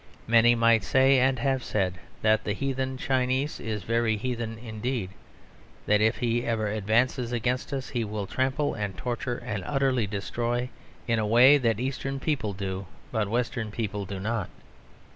Many might say, and have said, that the Heathen Chinee is very heathen indeed; that if he ever advances against us he will trample and torture and utterly destroy, in a way that Eastern people do, but Western people do not.